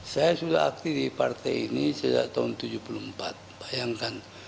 saya sudah aktif di partai ini sejak tahun seribu sembilan ratus tujuh puluh empat bayangkan